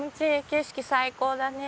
景色最高だね。